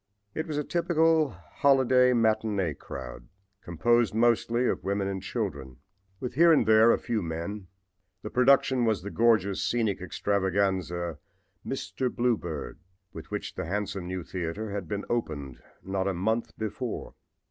It was a typical holiday matinee crowd, composed mostly of women and children, with here and there a few men. The production was the gorgeous scenic extravaganza "Mr. Bluebeard," with which the handsome new theater had been opened not a month before.